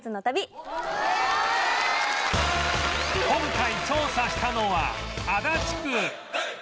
今回調査したのは足立区